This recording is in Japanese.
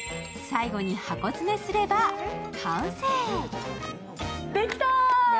最後に箱詰めすれば完成。